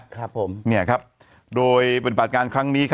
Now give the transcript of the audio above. ครับผมเนี่ยครับโดยเป็นบัตรการครั้งนี้ครับ